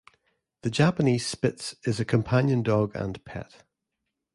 The Japanese Spitz is a companion dog and pet.